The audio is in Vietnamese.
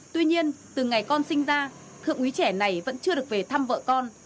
tuy nhiên từ ngày con sinh ra thượng úy trẻ này vẫn chưa được về thăm vợ con